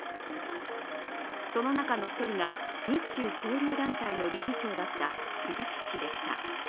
その中の１人が日中交流団体の理事長だった鈴木氏でした。